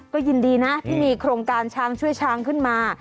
ก็ยินดีนะที่มีโครงการช้างช่วยช้างขึ้นมา